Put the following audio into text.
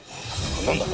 なんだ。